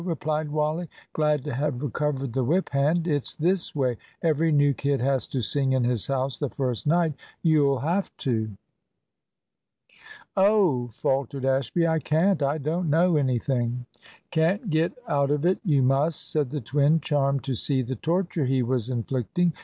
replied Wally, glad to have recovered the whip hand. "It's this way. Every new kid has to sing in his house the first night. You'll have to." "Oh," faltered Ashby, "I can't; I don't know anything." "Can't get out of it; you must," said the twin, charmed to see the torture he was inflicting.